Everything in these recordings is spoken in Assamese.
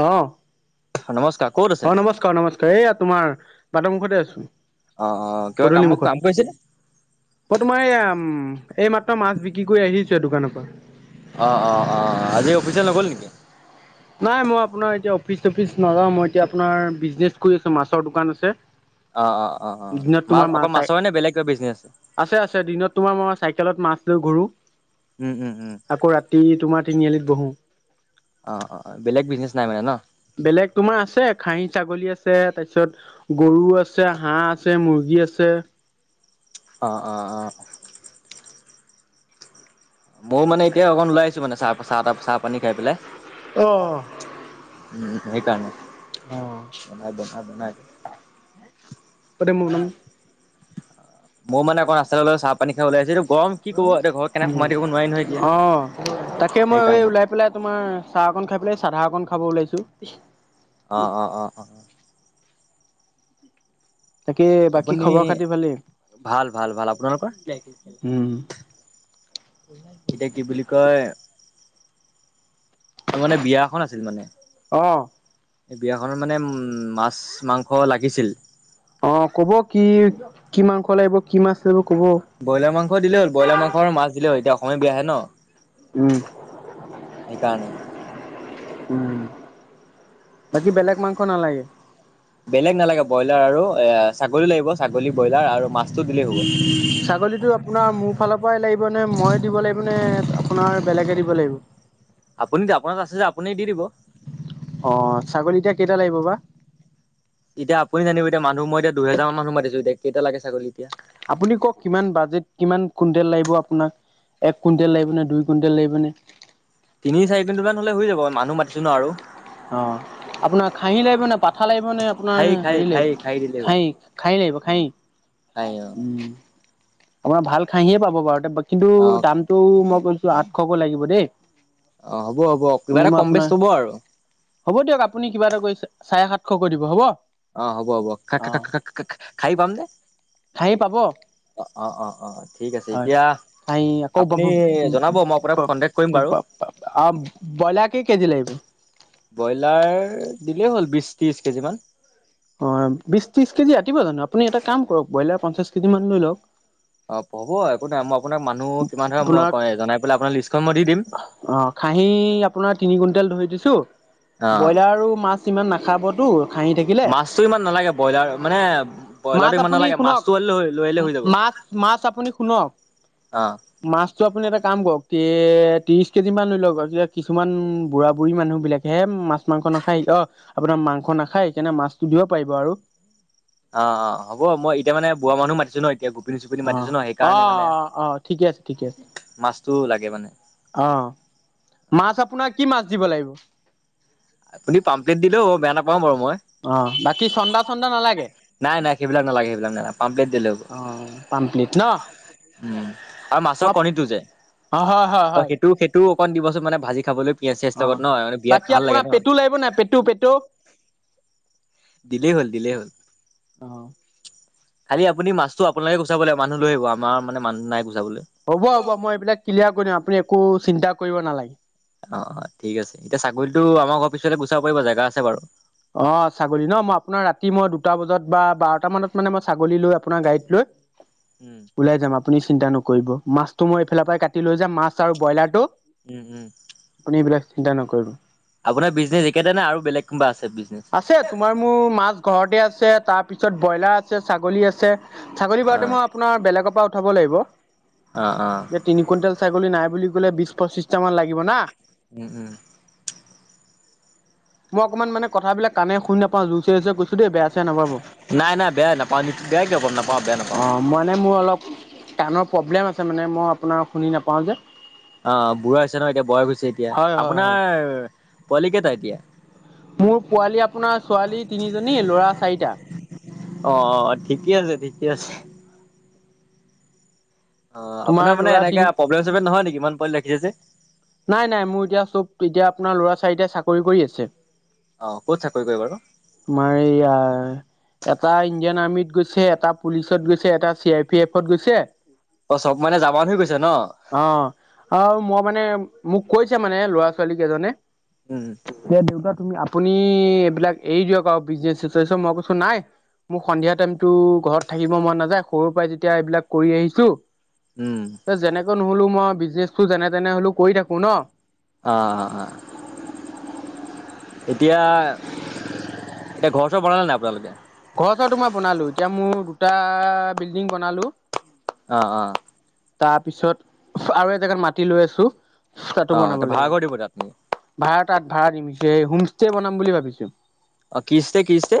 অ নমস্কাৰ ক'ত আছে অ নমস্কাৰ নমস্কাৰ! এইয়া তোমাৰ বাদৰ মুুখতে আছো অ অ কিবা পদূলি কামত মুখত কাম কৰিছে নে? মই তোমাৰ এইয়া উম- এই মাত্ৰ মাছ বিক্ৰী কৰি আহিছো দোকানৰ পৰা। অ অ অ, আজি অফিচত নগ'ল নেকি। নাই মই আপোনাৰ এতিয়া অফিচ চফিচ নাযাও মই এতিয়া আপোনাৰ বিজনেচ কৰি আছো মাছৰ দোকান আছে। অ অ অ অ দিনত মাছ তোমাৰ মা অকল চাই মাছৰে নে বেলেগ কিবা বিজনেছ আছে আছে দিনত তোমাৰ মা চাই একেলত মাছ লৈ ঘুৰো উম উম উম আকৌ ৰাতি তোমাৰ তিনি আলিত বহো- অ অ বেলেগ বিজনেছ নাই মানে ন বেলেগ তোমাৰ আছে খাই- ছাগলী, আছে তাৰপিছত গৰু, আছে হাঁহ, আছে মুৰ্গী, আছে। অ অ অ, ময়ো মানে এতিয়া অকণ ওলাই আহিছো মানে চাহ চাহ, তাহ চাহপানী খাই পেলাই। উম সেইকাৰণে- বনাই বনাই বনাই মোৰ মানে অকণ ৰাস্তাললে চাহ পানী খাই ওলাইছো এইটো গৰম কি ক'ব এতিয়া ঘৰত কেনে- অ সোমাই থাকিব নোৱাৰি নহয় এতিয়া অ তাকে মই এই সেইকাৰণে ওলাই পেলাই তোমাৰ চাহকন খাই বোলে চাদা অকন খাব ওলাইছো- অঁ অঁ অঁ অঁ তাকে বাকী আপুনি খবৰ খাতি ভালে ভাল ভাল ভাল আপোনালোকৰ উম উ এতিয়া কি বুলি কয় মানে বিয়া এখন আছিল মানে। অ', এই বিয়াখনত মানে উ মাছ মাংস লাগিছিল অ ক'ব কি কি মাংস লাগিব কি মাছ লাগিব। ক'ব ব্ৰইলাৰ মাংস দিলে হ'ল ব্ৰইলাৰ মাংসৰ মাছ দিলে হ'ল এতিয়া অসমীয়া বিয়াহে ন উম সেইকাৰণে উ বাকী বেলেগ মাংস নালাগে। বেলেগ নালাগে ব্ৰইলাৰ আৰু এ ছাগলী, লাগিব ছাগলী ব্ৰইলাৰ আৰু মাছটো, দিলেই হ'ব। ছাগলীটো আপোনাৰ মোৰ ফালৰ পৰাই লাগিব নে মই দিব লাগিব নে আপোনাৰ বেলেগে দিব লাগিব আপুনি আপোনাৰ আছে যে আপুনি দি দিব। অ', ছাগলী এতিয়া কেইটা লাগিব বা। এতিয়া আপুনি জানিব এতিয়া মানুহ মই এতিয়া দুহেজাৰ মানুহ মতিছো এতিয়া কেইটা লাগে ছাগলী এতিয়া। আপুনি কওক কিমান বাজেট কিমান কুইন্টলে লাগিব আপোনাৰ একাউণ্ট লাগিব না দুইকুন্টে লাগিব নে। তিনি চাৰি কুনণ্ট মান হলে হৈ যাব মানুহ মাতিছো ন আৰু অঁ আপোনাৰ খাহী লাগিব নে পাঠা লাগিব নে খাই আপোনাৰ খাই হেৰি খাই লাগিব দিলেই হ'ল। খাই খাই লাগিব খাই উম খাই অ উ। আপোনাৰ ভাল খাহীয়ে পাব বাৰু কিন্তু অ দামটো মই কৈছো আঠশকৈ লাগিব দেই। অঁ হ'ব হ'ব কিবা এনেই এটা মই কম বেচ আপোনাৰ লব আৰু হ'ব দিয়ক আপুনি কিবা এটা কৰি চাৰে সাতশকৈ দিব হ'ব। অঁ হ'ব হ'ব অ', খাহী পাম নে খাহী পাব অঁ অঁ অঁ অঁ ঠিক আছে এতিয়া। ন ক আপুনি জনাব মই আপোনাক কণ্টেক্ট কৰিম বাৰু ব্ৰইলাৰ একেই কেজি লাগিব। ব্ৰইলাৰ দিলেই হ'ল বিশ ত্ৰিশ কেজিমান। অ', বিশ, ত্ৰিশ কেজি আতিব জানো আপুনি এটা কাম কৰক ব্ৰইলাৰ পঞ্চাশ কেজি মান লৈ লওঁক। অঁ পা'ব একো নাই মই আপোনাক মানুহ কিমান ধৰ ম জনাই পেলাই আপোনাৰ লিটচ্ অঁ খাহী আপোনাৰ তিনি কুইণ্টেল ধৰি দিছো ব্ৰইলাৰ আৰু মাছ ইমান নাখ নাখাবতো। খাহি থাকিলে মাছতটো ইমান নালাগে ব্ৰইলাৰ মানে মাছ ব্ৰইলাৰটো ইমান আপুনি নালাগে শুনক মাছটো লৈ আহিলে হৈ যাব মাছ মাছ আপুনি শুনক অ মাছটো আপুনি এটা কাম কৰক ত্ৰিশ কেজি মান লৈ লওতি কিছু বুঢ়া বুঢ়ী মানুহ বিলাকেহে মাছ মাংস নাখায় অঁ আপোনাৰ মাংস নাখায় সেইকাৰণে মাছটো দিব পাৰিব আৰু। অঁ অঁ হ'ব মই এতিয়া মানে বুঢ়া মানুহো মাতিছো ন এতিয়া পিন চুপিন অ মাতিছো ন অ সেইকাৰণে মানে অ ঠিকে মাছতটো লাগে মানে অঁ মাছ আপোনাৰ কি মাছ দিব লাগিব! আপুনি পামপ্লেট দিলেও হ'ব বেয়া নাপাওঁ বাৰু মই অঁ বাকী চন্দা চন্দা নালাগে। নাই নাই সেইবিলাক নালাগে সেইবিলাক ন নাগে পামপ্লেট দিলে হ'ব অ পামপ্লেট ন উম আৰু মাছৰ মই কণীটো যে হয় হয় অঁ হয় সেইটো সেইটোওঁ অকণ দিবচোন মানে ভাজি খাবলৈ ই চেষ্টা অ কৰত নহয়ান বিৰাত বাকী ভাল লাগে আপোনাৰ ন। পেটু লাগিব নাই পেটু পেটু। দিলেই হ'ল দিলেই হ'ল। অ খালি আপুনি মাছটো আপোনোকে গচাবাগ মানুহ লৈ আহিব আমাৰ মানে মানুহ নাই বেছি হ'ব হ'ব মই এইবিলাক ক্লিয়াৰ কৰি দিম আপুনি একো চিন্তা কৰিব নালাগে। অঁ অঁ ঠিক আছে এতিয়া ছাগলীতো আমাৰ ঘৰৰ পিছতেই চাব পাৰিব জেগা আছে বাৰু অঁ ছাগলী ন মই আপোনাৰ ৰাতি মই দুটা বজাত বা বাৰটা মানত মানে মই ছাগলী লৈ আপোনাৰ গাড়ীত লৈ উম ওলাই যাম আপুনি চিন্তা নকৰিব মাছতটো মই এইফালৰ পৰাই কাটি লৈ যাম মাছ আৰু ব্ৰইলাৰটো। উম উম। আপুনি এইবিলাক চিন্তা নকৰিব। আপোনাৰ বিজনেছ একে নে আৰু বেলেগ কোনোবা আছে। বিজনেছ আছে তোমাৰ মোৰ মাছ ঘৰতে আছে তাৰ পিছত ব্ৰইলাৰ আছে ছাগলী আছে। ছাগলী অ বাৰুতে মই আপোনাৰ বেলেগৰ পৰা উঠাব লাগিব অ অ যে তিনি কুইণ্টেল ছাগলী নাই। বুলি ক'লে বিশ পঁচিশটা মান লাগিব না উম উম। মই অকমান মানে কথাবিলাক কানে শুনি নাপাওঁ জুইচ কৈছো। দ বেয়া নাপাব নাই নাই বেয়া নাপাওঁ বেয়া কিয় পাম নাপাওঁ বেয়া নাপাওঁ অঁ মানে মোৰ অলপ কাণৰ প্ৰব্লেম আছে মানে মই আপোনাৰ শুনি নাপাওঁ যে। অঁ বুঢ়া হৈছে ন এতিয়া বয়স হৈছে এতিয়া হয়, হয়, আপোনাৰ হয়, পোৱালি কেইটা এতিয়া। মোৰ পোৱালি আপোনাৰ ছোৱালী তিনিজনী ল'ৰা চাৰিটা। অঁ অঁ ঠিকে আছে ঠিকে আছে। অঁ তোমাৰ আপোনাৰ মানে ল'ৰা তিন এনেকে প্ৰব্লেম চব্লেম নহয় নেকি ইমান পোৱালী ৰাখিছে যে। নাই নাই মোৰ এতিয়া চব এতিয়া আপোনাৰ ল'ৰা ছাৰিটাই চাকৰি কৰি আছে। অ ক'ত চাকৰি কৰে বাৰু? তোমাৰ এইয়া এটা ইণ্ডিয়ান আৰ্মিত গৈছে এটা পুলিচত গৈছে এটা চি আৰ পি এফত গৈছে অ' চব মানে জামান হৈ গৈছে ন? অহ আৰু মই মানে মোক কৈছে মানে ল'ৰা ছোৱালী কেইজনে উম, যে দেউতা আপুনি এইবিলাক এৰি দিয়ক আৰু বিজনেচ তাৰপিছত মই কৈছো নাই মোৰ সন্ধিয়া টাইমতো ঘৰত থাকিব মন নাযায় সৰুৰ পৰাই যেতিয়া এইবিলাক কৰি আহিছো উম। যেনেকৈ নহলো মই বিজনেচটো যেনে তেনে হলো কৰি থাকো ন। অ অ। এতিয়া এতিয়া ঘৰ চৰ বনালে নাই আপোনালোকে? ঘৰচৰ তো মই বনালো এতিয়া মোৰ দুটা বিল্ডিং বনালো অ অ। তাৰ পিছত আৰু এ জেগাত মাটি লৈ আছো। তাতো অ' তে বনাব ভাড়া ঘৰ দিব তাত নেকি? লাগিব ভাড়া তাত ভাড়া দিম সে হোমষ্টে বনাম বুলি ভাবিছো। অ কিস্তে কিস্তে?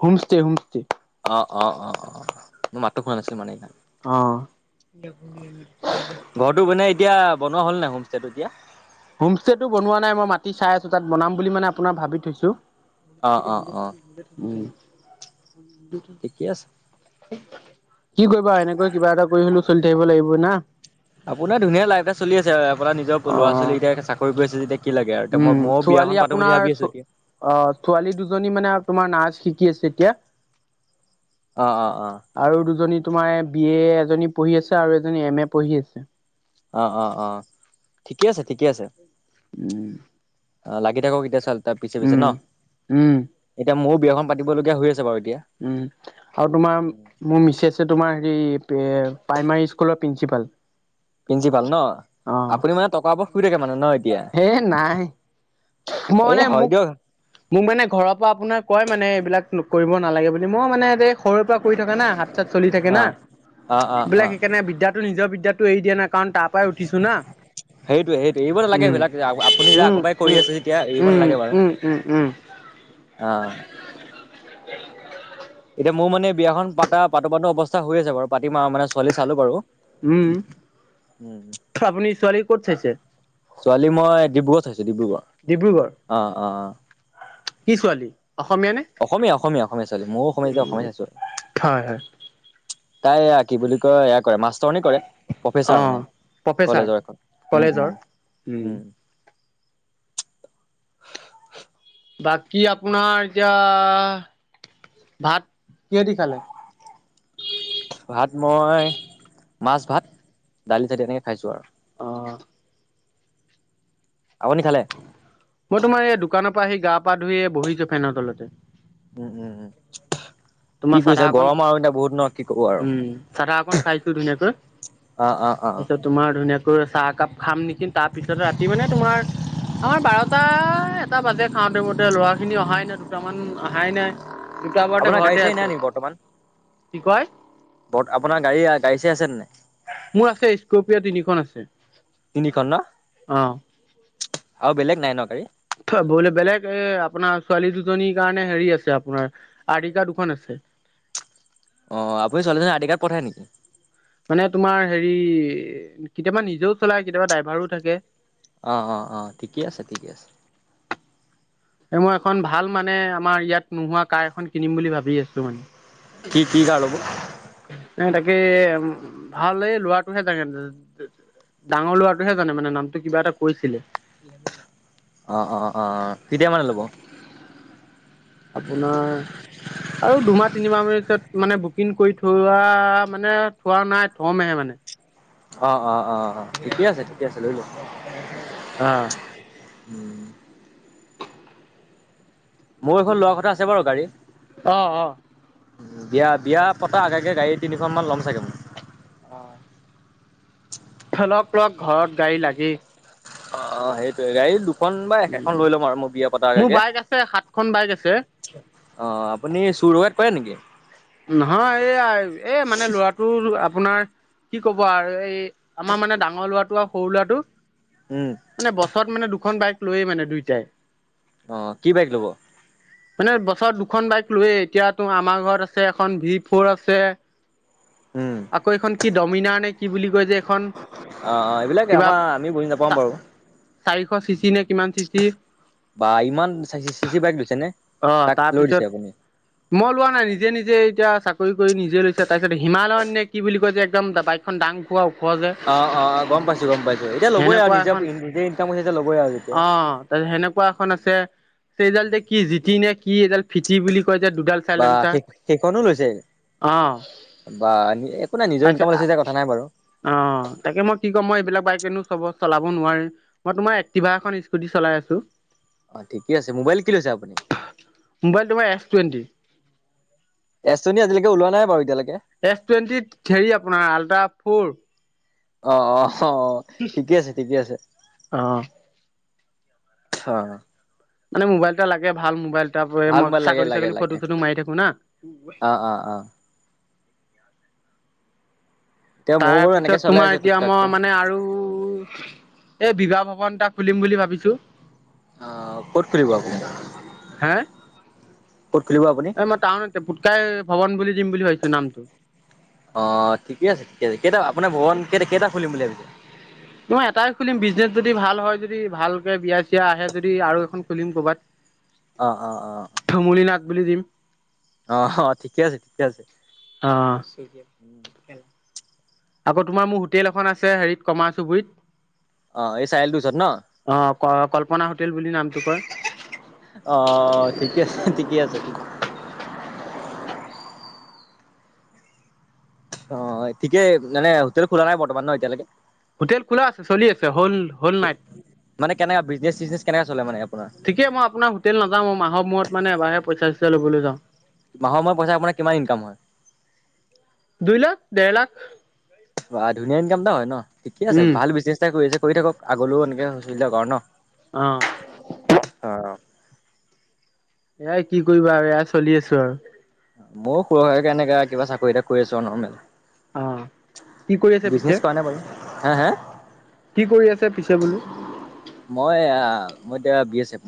হোম ষ্টে হোম ষ্টে অ অ অ অ। অ তো মাততো শুনা নাছিলো মানে এতিয়া অ। ঘৰটো মানে এতিয়া বনোৱা হ'ল নাই হোমষ্টেটো এতিয়া হোম ষ্টেটো বনোৱা নাই মই মাটি চাই আছো তাত বনাম বুলি মানে আপোনাৰ ভাবি থৈছো। অ' অ' অ'। উম। ঠিকে আছে। কি কৰিবা এনেকৈ কিবা এটা কৰি হ'লেও চলি থাকিব লাগিব না। আপোনাৰ ধুনীয়া লাইফ এটা চলি আছে আপোনাৰ নিজৰ ল'ৰা ছোৱালী কেইটা চাকৰি কৰি আছে যেতিয়া কি লাগে আৰু এতিয়া উম মই ময়ো ছোৱালী বিয়াখন পাতো বুলি আপোনাৰ ভাবি আছো এতিয়া অ ছোৱালী দুজনী মানে তোমাৰ নাৰ্চ শিকি আছে এতিয়া অ' অ' অ' আৰু দুজনী তোমাৰ বি এ এজনী পঢ়ি আছে আৰু এজনী এম এ পঢ়ি আছে। অ অ অ ঠিকেই আছে ঠিকে আছে। উ। অ লাগি থাকক এতিয়া চোৱালি তাৰ পিছে পিছে ন উম এতিয়া মোৰো বিয়াখন পাতিবলগীয়া হৈ আছে বাৰু। এতিয়া উম আৰু তোমাৰ মোৰ মিছেছে তোমাৰ হেৰি প্ৰাইমাৰী স্কুলত প্ৰিঞ্চিপাল। পিঞ্চিপাল ন আপুনি মানে টকা ওপৰত শুই থাকে মানে ন? এতিয়া সে নাই মই এই মানে হয় মোক দিয়ক মোক মানে ঘৰৰ পৰা আপোনাৰ কয় মানে এইবিলাক কৰিব নালাগে বুলি মই মানে যে সৰুৰে পৰা কৰি থকা না হাত চাত চলি থাকে অ না অ অ অ এইবিলাক সেইকাৰণে বিদ্যা নিজৰ বিদ্যাটো এৰি দিয়া নাই। কাৰণ তাৰ পৰাই উঠিছো না। সেইটোয়ে সেইটোৱেই এৰিব নালাগে উম। সেবিলাক আপুনি যে উম, আগৰ পাই কৰি উম, আছে যেতিয়া এৰিব উম, নালাগে বাৰু। উম উম। অ এতিয়া মোৰ মানে বিয়াখন পাতা পাতো পাতো অৱস্থা হৈ আছে বাৰু পাতিম আও মানে ছোৱালী চালো বাৰু। উম উম আপুনি ছোৱালী কত চাইছে? ছোৱালী মই ডিব্ৰুগড়ত চাইছো ডিব্ৰুগড় ডিব্ৰুগড়। অ অ অ। কি ছোৱালী? অসমীয়া নে? অসমীয়া অসমীয়া অসমীয়া ছোৱালী ময়ো অসমীয়া যেতিয়া অসমীয়া হয়, চাইছো। হয়, তাই এয়া কি বুলি কয় এয়া কৰে মাষ্টৰনী কৰে প্ৰফেচাৰ মানে। অ', প্ৰফেচাৰ কলেজৰ এখন উম কলেজৰ। উম উম। বাকী আপোনাৰ এতিয়া ভাত? কিহেদি খালে? ভাত মই মাছ ভাত দালি চালি এনেকে খাইছো আৰু। অ' আপুনি খালে? মই তোমাৰ, এই দোকানৰ পৰা আহি, গা পা ধুই এই বহিছোঁ ফেনৰ তলতে। উম! উম! উম! কি তোমাৰ চাধা কৰিছে অকন, গৰম আৰু এতিয়া বহুত ন কি ক'ব আৰু উম চাধা অকন খাইছোঁ, ধুনীয়াকৈ। অ', অ', অ', তাৰপিছত তোমাৰ ধুনীয়াকৈ চাহ একাপ খাম নেকি তাৰপিছত ৰাতি মানে তোমাৰ আমাৰ বাৰটা এটা বাজে খাওঁতে মতে ল'ৰাখিনি অহাই নাই দুটামান অহাই নাই। তিতাবৰতে আপোনাৰ ঘৰত গাড়ী নাই নেকি বৰ্তমান ব আপোনাৰ গাড়ী গাড়ী চাৰি আছে নে নাই মোৰ আছে স্কপিয়া তিনিখন আছে তিনিখন ন আৰু বেলেগ নাই ন গাড়ী? ত বলে বেলেগ এ আপোনাৰ ছোৱালী দুজনীৰ কাৰণে হেৰি আছে আপোনাৰ আৰ্টিকা দুখন আছে অ আপুনি ছোৱালীজনী আৰ্টিকাত পঠায় নেকি মানে তোমাৰ হেৰি কেতিয়াবা নিজেও চলাই কেতিয়াবা ড্ৰাইভাৰো থাকে। অ অ অ ঠিকে আছে ঠিকে আছে এই মই এখন ভাল মানে আমাৰ ইয়াত নোহোৱা কাৰাঁ এখন কিনিম বুলি ভাবি আছো মানে। কি কি কাৰ লব নাই তাকে ভাল লোৱাটোহে তাকে ডাঙৰ লৰাটোহে জানে মানে নামটো কিবা এটা কৈছিলে অঁ অঁ অঁ কেতিয়া মানে ল'ব আপোনাৰ আৰু দুমাহ তিনিমাহ পিছত মানে বুকিং কৰি থোৱা মানে থোৱা নাই থমেহে মানে অ অ অ অ ঠিকে আছে ঠিকে আছে লৈ লোৱা। হম মোৰ এখন লোৱা কথা আছে বাৰু গাড়ী অ অ অ বিয়া বিয়া পতা আগে গাড়ী তিনিখন মান ল'ম চাগে মই অ ল লগ ঘৰত গাড়ী লাগেই। অ সেইটোৱে গাড়ী দু- খন বাইক এখন লৈ ল'ম আৰু মই বিয়া পতা মোৰ আগে বাইক আছে সাতখন বাইক আছে অ আপুনি চুৰ দকাইত কৰে নেকি? নহয় এই এ মানে ল'ৰাটোৰ আপোনাৰ কি ক'ব আৰু এই আমাৰ মানে ডাঙৰ লৰাটো আৰু সৰু ল'ৰাটো মানে বছৰত মানে দুখন বাইক লৈয়ে মানে দুইটাই অ কি বাইক লব মানে বছৰত দুখন বাইক লোৱয়ে এতিয়াতো আমাৰ ঘৰত আছে এখন ভি ফ'ৰ আছে আকৌ এইখন কি দমিনাৰ নে কি বুলি কয় যে এইখন অ অ এইবিলাকে কিবা আমাৰ আমি বুজি নাপাম বাৰু চাৰিশ চিচি নে কিমান চিচি বা ইমান চিচি বাইক লৈছে নে অ তাক লৈ দিছে তাৰপিছত আপুনি মই লোৱা নাই নিজে নিজে এতিয়া চাকৰি কৰি নিজে লৈছে তাৰ পিছত হিমালয়ত নে কি বুলি যে একদম বাইকখন দাং খোৱা ওখ যে অ অ অ গম পাইছো গম পাইছো এতিয়া ল'বই আৰু সেনেকুৱা নিজৰ এখন নিজে ইনকাম হৈছে এতিয়া লবই আৰু যেতিয়া অ সেনেকুৱা এখন আছে চিজেল ডিক কিনে কি এইডাল দুডাল বা চাইলেঞ্চাৰ সেই সেইখনো লৈছে অ বা একো নাই নিজৰ ইনকাম তাৰপিছত লৈছে যে কথা নাই বাৰু। অ তাকে মই কি কম মই এইবিলাক বাই কো চ চলাব নোৱাৰি মই তোমাৰ এক্টিভা এখন স্কুটি চলাই আছো। অ ঠিকে আছে মোবাইল কি লৈছে আপুনি? মোবাইল তোমাৰ এছ টুৱেণ্টি? এচ টুৱেণ্টি আজিলৈকে ওলোৱা নাই বাৰু এতিয়ালৈক। এছ টুৱেণ্টিত হেৰি আপোনাৰ আল্ট্ৰা ফ'ৰ। অ' অ' অ', ঠিকে আছে ঠিকে আছে। অ অ'। মানে মোবাইল এটা লাগে ভাল মোবাইল। তাৰপৰি ভাল মই মোবাইল লাগে ছাগলী লাগে ছাগলী লাগে ফটো চটো মাৰি থাকো না। অ অ অ এতিয়া ময়ো বাৰু তাৰপিছত এনেকে চলাই তোমাৰ আছো টোক এতিয়া টাককে মই মানে আৰু এই বিবাহ ভব বন টা খুলিম বুলি ভাবিছোঁ! অ ক'ত খুলিব আপুনি? হে কত খুলিব আপুনি এই মই টাউনতে পুটকাই ভৱন বুলি দিম বুলি ভাবিছো নামটো অ' ঠিকে আছে ঠিকে আছে কেইতা মই এটাই খুলিম বিজনেচ যদি ভ ভাল হয় যদি ভালকে বিয়া চিয়া আহে যদি আৰু এখন খুলিম ক'বাত। অ' অ' অ'। বুলি দিম। অ' অ' ঠিকে আছে ঠিকে আছে। অ'। আকৌ তোমাৰ মোৰ হোটেল এখন আছে হেৰিত কমাৰ অ এই চাৰিআলিটোৰ ওচৰত ন চুবুৰীত। অ' ক - কল্পনা হোটেল বুলি নামটো কয়। অ' অ' ঠিকে আছে ঠিকে আছে, ঠিক। অ' ঠিকে মানে হোটেল খোলা নাই বৰ্তমান ন' এতিয়ালৈকে? হোটেল খোলা আছে চলি আছে হোল - হোল নাইট। মানে কেনেকা বিজনেছ চিজনেছ কেনেকা চলে মানে আপোনাৰ ঠিকে মই আপোনাৰ হোটেল নাযাওঁ, মই মাহৰ মূৰত মানে এবাৰহে পইচা চইচা লবলৈ যাওঁ। মাহৰ মূৰত পইচা আপোনাৰ কিমান ইনকাম হয়? দুই লাখ ডেৰ লাখ বা ধুনীয়া ইনকাম এটা হয় ন ঠিকে আছে উম ভাল বিজনেছ এটা কৰি আছে। কৰি থাকক আগলৈও এনেকৈ চলি থাকক আৰু ন। অ'। অ এয়াই কি কৰিবা আৰু এয়াই চলি আছো আৰু। ময়ো সৰু সাৰাকে এনেকা কিবা চাকৰি এটা কৰি আছো আৰু নৰ্মেল। অ'। কি কৰি আছে বিজনেছ পিছে? কৰা নাই বাৰু। হা হা কি কৰি আছে পিছে বুলো? মই আ - মই এতিয়া বি এ ছেফ।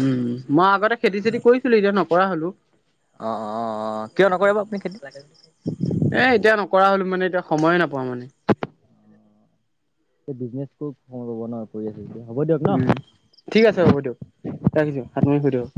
উম, মই আগতে খেতি চেতি কৰিছিলো এতিয়া নকৰা হলো। অ অ অ কিয় নকৰে বাৰু আপুনি খেতি? এ এতিয়া নক কৰা হ'লো মানে এতিয়া সময়ে নাপাও মানে। এই বিজনেছ টোত, অ ৰবা না কৰি আছো। উম, ঠিক আছে হ'ব দিয়ক ৰাখিছো। হাতমাৰি শুই‌ দিয়ক।